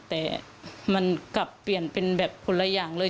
แต่มันกลับเปลี่ยนเป็นแบบคนละอย่างเลย